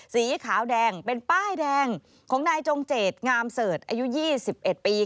สีขาวแดงเป็นป้ายแดงของนายจงเจตงามเสิร์ชอายุ๒๑ปี